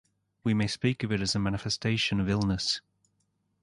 We may speak of it as a manifestation of illness.